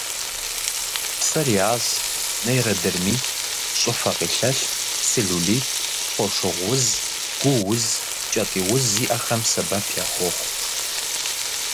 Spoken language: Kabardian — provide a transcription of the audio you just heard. Псориаз, нейродермит, щӏыфэ къилъэлъ, целлюлит, фошыгъу уз, гу уз, кӏэтӏий уз зиӏэхэм сэбэп яхуохъу.